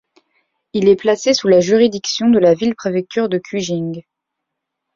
Il est placé sous la juridiction de la ville-préfecture de Qujing.